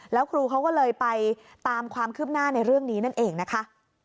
แล้วครูเขาก็เลยไปตามความคืบหน้าในเรื่องนี้นั่นเองนะคะ